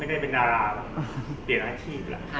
ไม่ได้เป็นอาราหรอกเปลี่ยนอาชีพแล้ว